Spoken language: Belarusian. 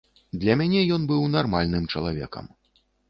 Для мяне ён быў нармальным чалавекам.